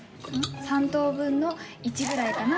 ３等分の１ぐらいかな？